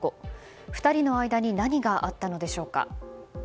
２人の間に何があったのでしょうか。